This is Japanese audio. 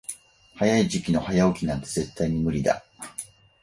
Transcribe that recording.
寒い時期の早起きなんて絶対に無理だ。